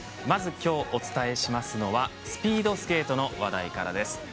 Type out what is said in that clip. まず今日、お伝えしますのはスピードスケートの話題からです。